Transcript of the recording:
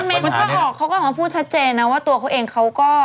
แต่คุณเมย์ก็พูดชัดเจนนะว่าตัวเขาเองเขาก็